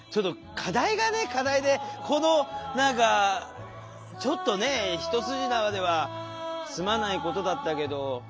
課題でこの何かちょっとね一筋縄では済まないことだったけど。